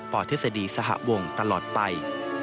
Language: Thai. ปอเทศดีสหวังตลอดไป